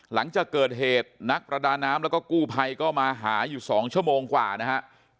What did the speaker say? หลังจากเกิดเหตุนักประดาน้ำแล้วก็กู้ภัยก็มาหาอยู่๒ชั่วโมงกว่านะฮะ